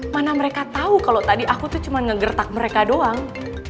mana mereka tau kalau tadi aku tuh cuma nge gertak mereka doang